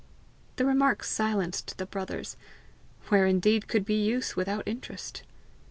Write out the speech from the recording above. The remark silenced the brothers: where indeed could be use without interest?